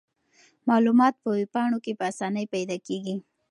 معلومات په ویب پاڼو کې په اسانۍ پیدا کیږي.